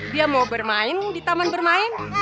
dia mau bermain di taman bermain